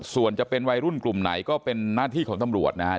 ส่วนจะเป็นวัยรุ่นกลุ่มไหนก็เป็นหน้าที่ของตำรวจนะครับ